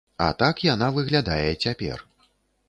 А так яна выглядае цяпер.